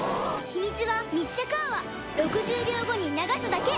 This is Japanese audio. ヒミツは密着泡６０秒後に流すだけ